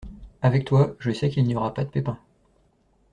Avec toi, je sais qu’il n’y aura pas de pépins.